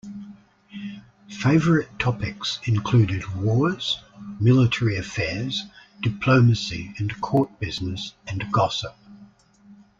Favorite topics included wars, military affairs, diplomacy, and court business and gossip.